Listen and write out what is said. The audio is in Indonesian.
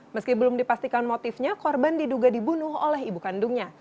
meski belum dipastikan motifnya korban diduga dibunuh oleh ibu kandungnya